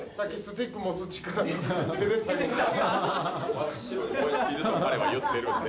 真っ白に燃え尽きると彼は言っているので、